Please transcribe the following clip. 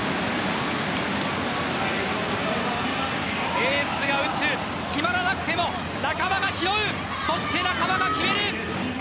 エースが打つ決まらなくても仲間が拾うそして仲間が決める。